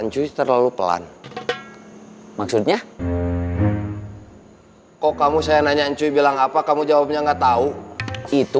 cuy terlalu pelan maksudnya kok kamu saya nanya encuy bilang apa kamu jawabnya enggak tahu itu